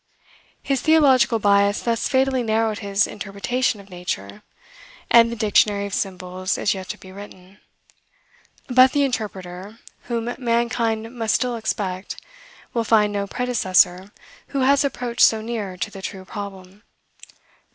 His theological bias thus fatally narrowed his interpretation of nature, and the dictionary of symbols is yet to be written. But the interpreter, whom mankind must still expect, will find no predecessor who has approached so near to the true problem.